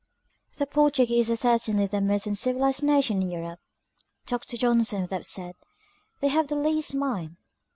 The Portuguese are certainly the most uncivilized nation in Europe. Dr. Johnson would have said, "They have the least mind.".